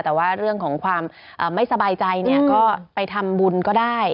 แต่ว่าเรื่องของความไม่สบายใจเนี่ยก็ไปทำบุญก็ได้